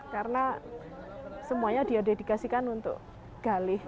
karena semuanya dia dedikasikan untuk gali